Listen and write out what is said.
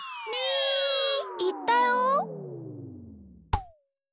ーいったよ！